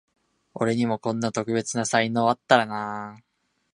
俺にもこんな特別な才能あったらなあ